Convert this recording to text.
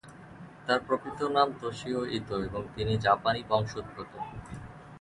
তার প্রকৃত নাম তোশিও ইতো এবং তিনি জাপানি বংশোদ্ভূত।